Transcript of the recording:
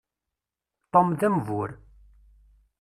Tom d ambur.